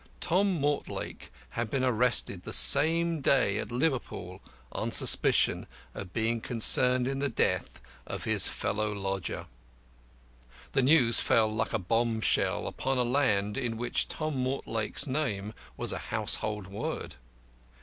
Tom Mortlake had been arrested the same day at Liverpool on suspicion of being concerned in the death of his fellow lodger. The news fell like a bombshell upon a land in which Tom Mortlake's name was a household word.